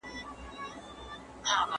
خېټه په پښو کيږي.